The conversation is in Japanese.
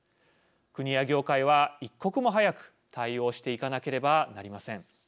国や業界は一刻も早く対応していかなければなりません。